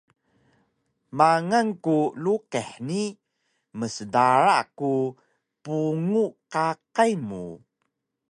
Mangal ku luqih ni msdara ka pungu qaqay mu